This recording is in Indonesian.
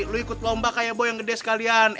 lu ikut lomba kayak boy yang gede sekalian